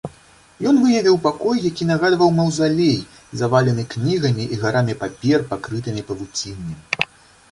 Ён выявіў пакой, які нагадваў маўзалей, завалены кнігамі і гарамі папер, пакрытымі павуціннем.